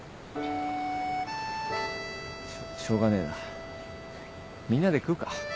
しょうがねえなみんなで食うか。